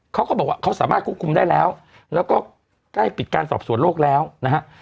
เขาก็บอกว่าเขาสามารถควบคุมได้แล้วแล้วก็ใกล้ปิดการสอบสวนโลกแล้วนะฮะ